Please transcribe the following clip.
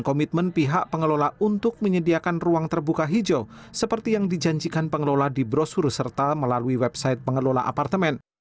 komitmen pihak pengelola untuk menyediakan ruang terbuka hijau seperti yang dijanjikan pengelola di brosur serta melalui website pengelola apartemen